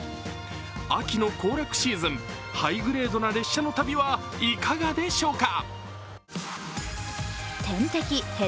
秋の行楽シーズン、ハイグレードな列車の旅はいかがでしょうか。